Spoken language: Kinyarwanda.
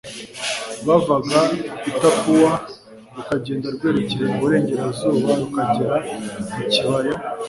rwavaga i tapuwa rukagenda rwerekeye mu burengerazuba rukagera mu kibaya